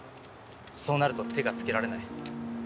そうなると手が付けられない。